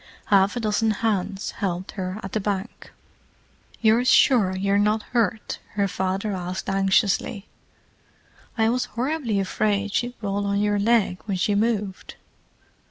Half a dozen hands helped her at the bank. "You're sure you're not hurt?" her father asked anxiously. "I was horribly afraid she'd roll on your leg when she moved."